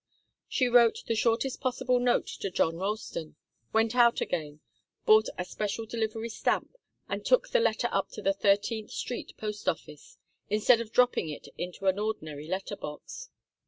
She wrote the shortest possible note to John Ralston, went out again, bought a special delivery stamp and took the letter up to the Thirteenth Street Post Office instead of dropping it into an ordinary letter box.